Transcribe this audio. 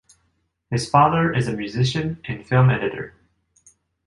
His father is a musician and film editor.